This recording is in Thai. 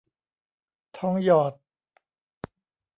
ทองหยอด